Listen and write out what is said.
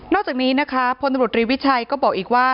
อกจากนี้นะคะพลตำรวจรีวิชัยก็บอกอีกว่า